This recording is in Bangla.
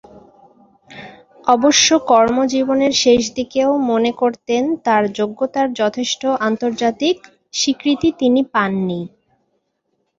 অবশ্য কর্ম জীবনের শেষ দিকেও মনে করতেন, তার যোগ্যতার যথেষ্ট আন্তর্জাতিক স্বীকৃতি তিনি পাননি।